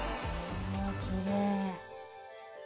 おきれい。